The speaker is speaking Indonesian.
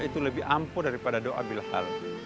itu lebih ampuh daripada doa bilhal